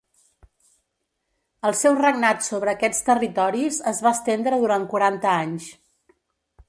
El seu regnat sobre aquests territoris es va estendre durant quaranta anys.